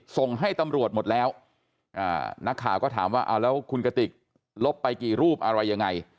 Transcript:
ส่งให้ตำรวจหมดแล้วนักข่าวก็ถามว่าเอาแล้วคุณกติกลบไปกี่รูปอะไรยังไง